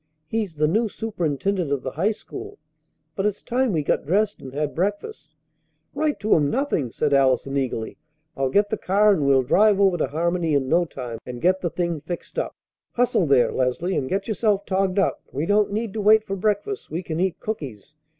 He's the new superintendent of the high school. But it's time we got dressed and had breakfast." "Write to him nothing!" said Allison eagerly. "I'll get the car, and we'll drive over to Harmony in no time, and get the thing fixed up. Hustle there, Leslie, and get yourself togged up. We don't need to wait for breakfast; we can eat cookies.